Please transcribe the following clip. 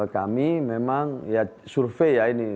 kami memang ya survei